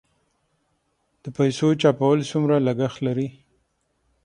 د پیسو چاپول څومره لګښت لري؟